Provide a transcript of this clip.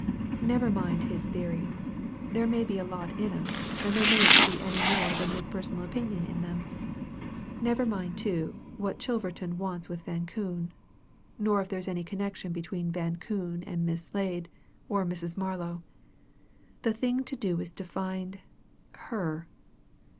"Never mind his theories there may be a lot in 'em, and there mayn't be any more than his personal opinion in 'em. Never mind, too, what Chilverton wants with Van Koon. Nor if there's any connection between Van Koon and Miss Slade, or Mrs. Marlow. The thing to do is to find her!"